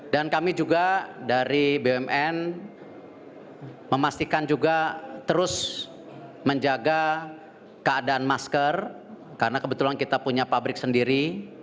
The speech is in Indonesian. dan kami juga dari bumn memastikan juga terus menjaga keadaan masker karena kebetulan kita punya pabrik sendiri